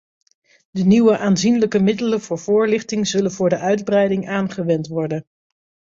De nieuwe, aanzienlijke middelen voor voorlichting zullen voor de uitbreiding aangewend worden.